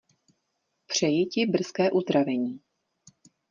Přeji ti brzké uzdravení.